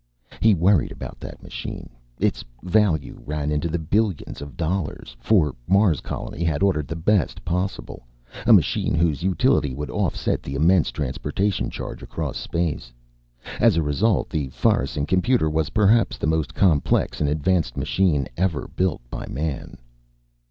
He worried about that machine. Its value ran into the billions of dollars, for Mars Colony had ordered the best possible, a machine whose utility would offset the immense transportation charge across space. As a result, the Fahrensen Computer was perhaps the most complex and advanced machine ever built by Man.